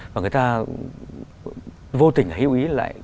và người ta vô tình hữu ý lại